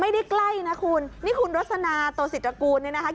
ไม่ได้ใกล้นะคุณนี่คุณรสนาตัวสิทธิ์กระกูลนี่นะคะ